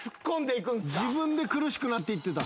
自分で苦しくなっていってた。